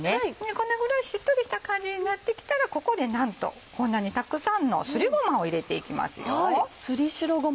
このぐらいしっとりした感じになってきたらここでなんとこんなにたくさんのすりごまを入れていきます。